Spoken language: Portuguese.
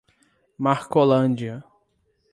Marcolândia